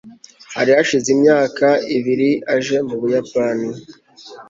hari hashize imyaka ibiri aje mu buyapani